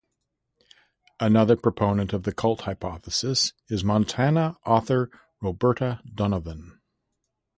Another proponent of the cult hypothesis is Montana author Roberta Donovan.